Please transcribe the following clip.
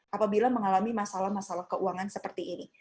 apabila mengalami masalah masalah keuangan seperti ini